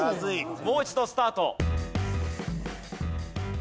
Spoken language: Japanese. もう一度スタート！